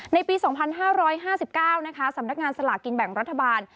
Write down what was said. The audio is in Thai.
ในปี๒๕๕๙นะคะสำนักงานสลากกินแบ่งรัฐบาล